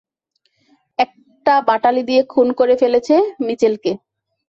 একটা বাটালি দিয়ে খুন করে ফেলেছে মিচেলকে।